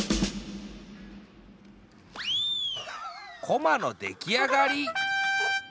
こまのできあがり！